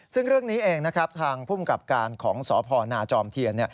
ซึ่งเรื่องนี้เองทางผู้มกับการของสพนจเทียน